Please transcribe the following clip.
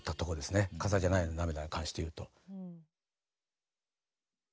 「飾りじゃないのよ涙は」に関して言うと。